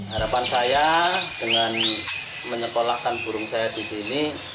harapan saya dengan menyekolahkan burung saya di sini